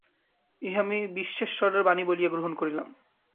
ইহা আমি বিশ্বেশ্বরের বাণী বলিয়া গ্রহণ করিলাম।